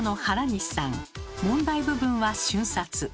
問題部分は瞬殺。